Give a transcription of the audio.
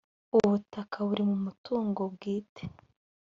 ubutaka buri mu mutungo bwite